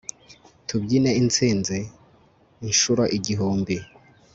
tubyine insinzi inshuro igihumbi